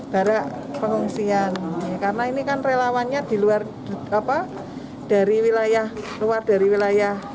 barak pengungsian karena ini kan relawannya di luar apa dari wilayah luar dari wilayah